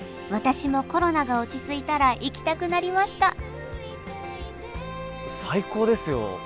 私もコロナが落ち着いたら行きたくなりました！